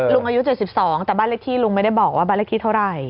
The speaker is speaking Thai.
อายุ๗๒แต่บ้านเลขที่ลุงไม่ได้บอกว่าบ้านเลขที่เท่าไหร่